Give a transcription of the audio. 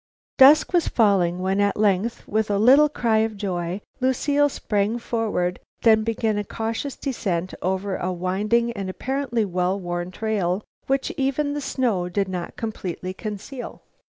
Dusk was falling when, at length, with a little cry of joy, Lucile sprang forward, then began a cautious descent over a winding and apparently well worn trail which even the snow did not completely conceal.